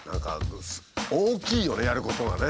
大きいよねやることがね。